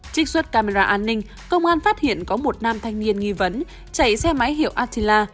trích xuất camera an ninh công an phát hiện có một nam thanh niên nghi vấn chạy xe máy hiệu atila